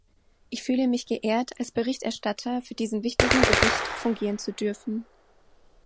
Ich fühle mich geehrt, als Berichterstatter für diesen wichtigen Bericht fungieren zu dürfen.